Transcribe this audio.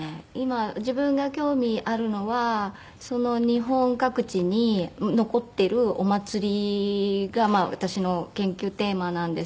今自分が興味あるのは日本各地に残ってるお祭りが私の研究テーマなんですけれども。